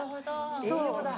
・栄養だ・